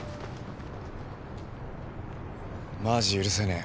マジ許せねえ。